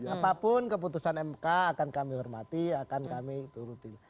apapun keputusan mk akan kami hormati akan kami turutin